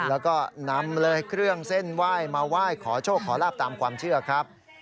แล้วก็นำเลยเครื่องเส้นไหว้มาไหว้ขอโชคขอลาบตามความเชื่อครับ